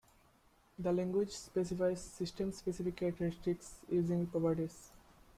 The language specifies system-specific characteristics using properties.